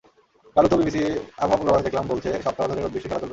কালও তো বিবিসির আবহাওয়ার পূর্বাভাস দেখলাম—বলছে, সপ্তাহ ধরে রোদ-বৃষ্টির খেলা চলবে।